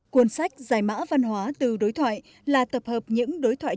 cuốn sách giải mã văn hóa từ đối thoại là tập hợp những đối thoại